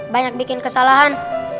banyak bikin kesalahan